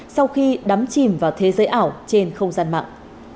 sau khi đắm chìm vào thế giới ảo trên không gian mạng